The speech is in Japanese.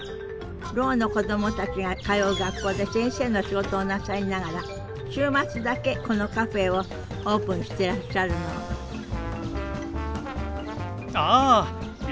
ろうの子供たちが通う学校で先生の仕事をなさりながら週末だけこのカフェをオープンしてらっしゃるのあいらっしゃいませ。